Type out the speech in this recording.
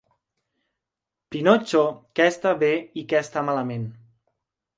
Pinotxo què està bé i què està malament.